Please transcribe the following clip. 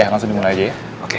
langsung dimulai aja ya